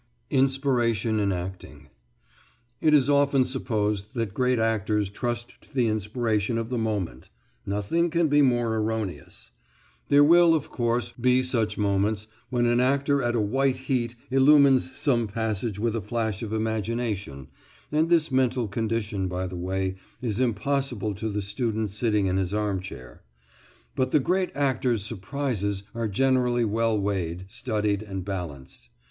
INSPIRATION IN ACTING It is often supposed that great actors trust to the inspiration of the moment. Nothing can be more erroneous. There will, of course, be such moments, when an actor at a white heat illumines some passage with a flash of imagination (and this mental condition, by the way, is impossible to the student sitting in his armchair); but the great actor's surprises are generally well weighed, studied, and balanced.